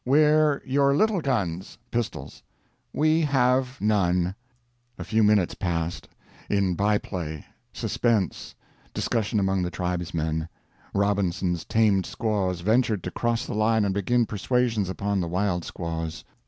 "Where your little guns?" (pistols). "We have none." A few minutes passed in by play suspense discussion among the tribesmen Robinson's tamed squaws ventured to cross the line and begin persuasions upon the wild squaws.